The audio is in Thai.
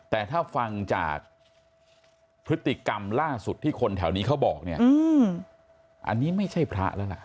แต่ถ้าฟังจากพฤติกรรมล่าสุดที่คนแถวนี้เขาบอกเนี่ยอันนี้ไม่ใช่พระแล้วล่ะ